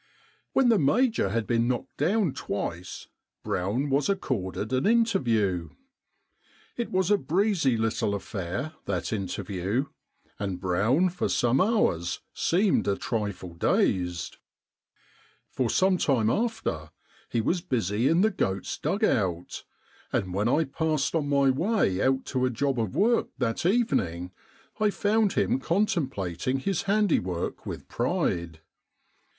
When the Major had been knocked down twice, Brown was accorded an interview. It was a breezy little affair, that interview, and Brown for some hours seemed a trifle dazed. For some time after he was busy in the goat's dug out, and when I passed on my way out to a job of work that evening, I found him contemplating his handiwork with pride.